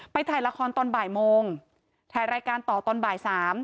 ถ่ายละครตอนบ่ายโมงถ่ายรายการต่อตอนบ่าย๓